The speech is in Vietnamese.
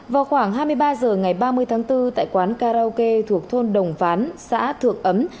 vào khoảng hai mươi ba h ngày ba mươi tháng bốn tại quán karaoke thuộc thôn đồng ván xã thượng ấm